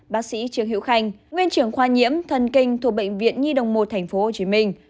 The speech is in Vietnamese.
bác sĩ trương hiễu khanh nguyên trưởng khoa nhiễm thần kinh thuộc bệnh viện nhi đồng một tp hcm